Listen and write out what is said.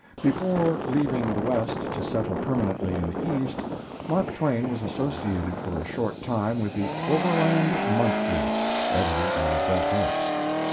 Before leaving the West to settle permanently in the East, Mark Twain was associated for a short time with the 'Overland Monthly', edited by Bret Harte.